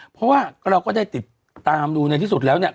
เพราะว่าเราก็ได้ติดตามดูในที่สุดแล้วเนี่ย